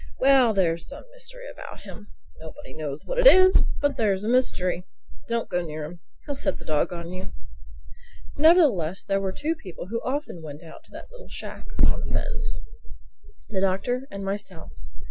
Well, there's some mystery about him. Nobody knows what it is. But there's a mystery. Don't go near him. He'll set the dog on you." Nevertheless there were two people who often went out to that little shack on the fens: the Doctor and myself.